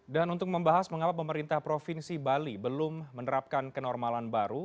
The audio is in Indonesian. dan untuk membahas mengapa pemerintah provinsi bali belum menerapkan kenormalan baru